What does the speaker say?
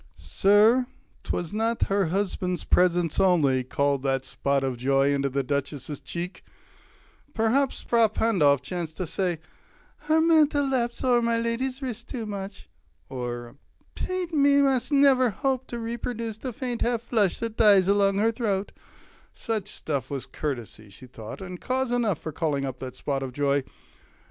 Sir, 'twas not Her husband's presence only, called that spot Of joy into the Duchess' cheek: perhaps Fra Pandolf chanced to say "Her mantle laps Over my lady's wrist too much," or "Paint Must never hope to reproduce the faint Half flush that dies along her throat"; such stuff Was courtesy, she thought, and cause enough 20 For calling up that spot of joy.